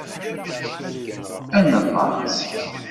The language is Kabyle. Ad nellaẓ.